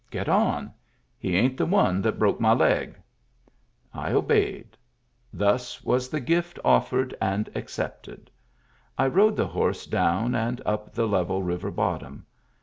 " Get on. He ain't the one that bruck my leg." I obeyed. Thus was the gift offered and ac cepted. I rode the horse down and up the level river bottom.